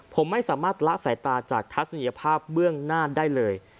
ผมไม่สามารถละสายตาจากทัศนียภาพเบื้องหน้าได้เลย